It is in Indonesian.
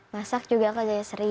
masak juga aku aja sering